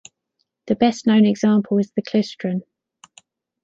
The best known example is the klystron.